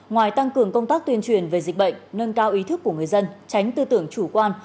ngoài tăng cường công tác tuyên truyền về dịch bệnh nâng cao ý thức của người dân tránh tư tưởng chủ quan